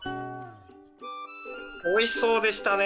おいしそうでしたね